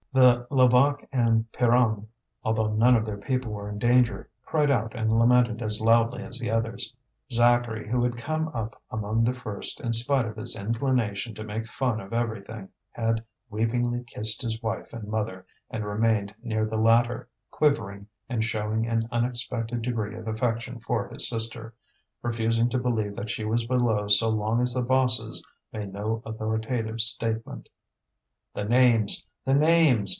The Levaque and Pierronne, although none of their people were in danger, cried out and lamented as loudly as the others. Zacharie, who had come up among the first, in spite of his inclination to make fun of everything had weepingly kissed his wife and mother, and remained near the latter, quivering, and showing an unexpected degree of affection for his sister, refusing to believe that she was below so long as the bosses made no authoritative statement. "The names! the names!